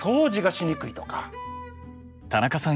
田中さん